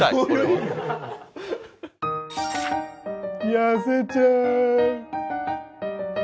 痩せちゃう！